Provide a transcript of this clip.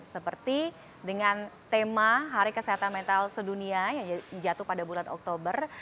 seperti dengan tema hari kesehatan mental sedunia yang jatuh pada bulan oktober